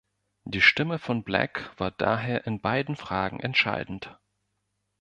Die Stimme von Black war daher in beiden Fragen entscheidend.